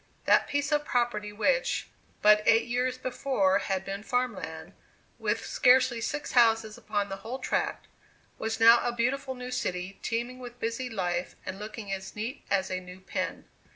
That piece of property, which, but eight years before, had been farm land, with scarcely six houses upon the whole tract, was now a beautiful new city, teeming with busy life, and looking as neat as a new pin.